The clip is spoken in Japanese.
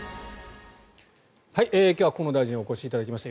今日は河野大臣にお越しいただきました。